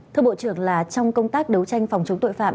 thưa bộ trưởng là trong công tác đấu tranh phòng chống tội phạm